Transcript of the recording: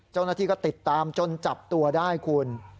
เจ้าหน้าที่ก็ติดตามจนจับตัวได้คุณ